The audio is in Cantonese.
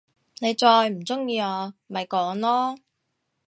你再唔中意我，咪講囉！